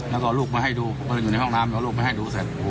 แล้วออกลูกมาให้ดูหลังกลูกไม่ให้ดูเสร็จ